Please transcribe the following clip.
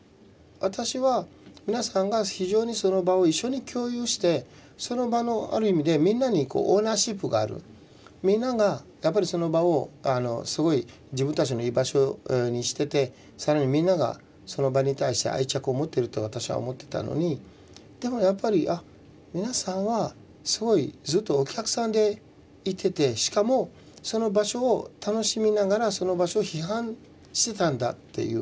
私は皆さんが非常にその場を一緒に共有してその場のある意味でみんなにオーナーシップがあるみんながやっぱりその場をすごい自分たちの居場所にしててさらにみんながその場に対して愛着を持ってると私は思ってたのにでもやっぱりあっ皆さんはすごいずっとお客さんでいててしかもその場所を楽しみながらその場所を批判してたんだっていう。